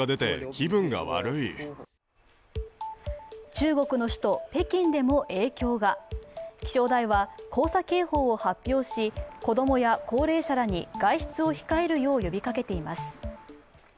中国の首都・北京でも影響が気象台は黄砂警報を発表し、子供や高齢者らに外出を控えるよう呼びかけています。